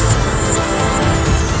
amin ya rukh alamin